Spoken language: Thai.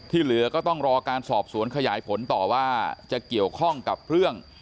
เหลือก็ต้องรอการสอบสวนขยายผลต่อว่าจะเกี่ยวข้องกับเรื่อง